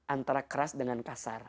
antara keras dengan kasar